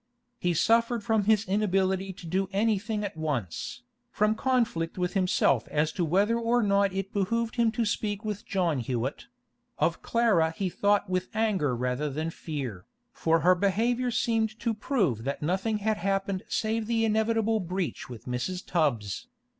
He suffered from his inability to do anything at once, from conflict with himself as to whether or not it behoved him to speak with John Hewett; of Clara he thought with anger rather than fear, for her behaviour seemed to prove that nothing had happened save the inevitable breach with Mrs. Tubbs.